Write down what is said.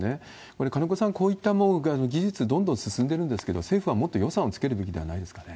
これ、金子さん、こういった技術、どんどん進んでるんですけれども、政府はもっと予算をつけるべきではないですかね。